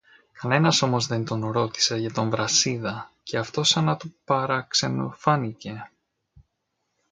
Κανένας όμως δεν τον ρώτησε για τον Βρασίδα, και αυτό σα να του παραξενοφάνηκε